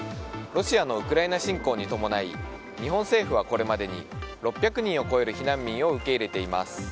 ロシアのウクライナ侵攻に伴い日本政府はこれまでに６００人を超える避難民を受け入れています。